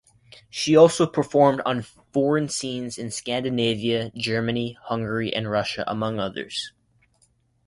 She also performed on foreign scenes, in Scandinavia, Germany, Hungary and Russia among others.